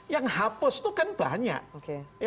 yang hapus itu kan banyak